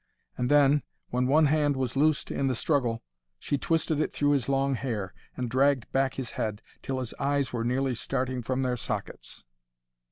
And then, when one hand was loosed in the struggle, she twisted it through his long hair, and dragged back his head till his eyes were nearly starting from their sockets.